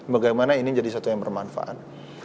bagaimana ini jadi satu yang bermanfaat